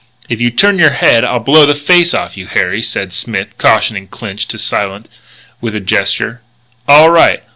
"If you turn your head I'll blow the face off you, Harry," said Smith, cautioning Clinch to silence with a gesture. "All right.